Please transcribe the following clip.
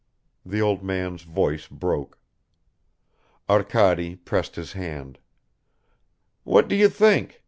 .'" The old man's voice broke. Arkady pressed his hand. "What do you think?"